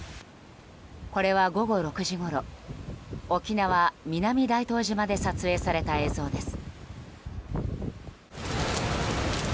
これは、午後６時ごろ沖縄・南大東島で撮影された映像です。